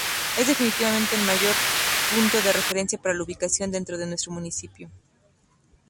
Es definitivamente el mayor punto de referencia para la ubicación dentro de nuestro municipio.